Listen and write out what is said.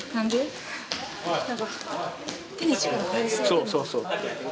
そうそうそう。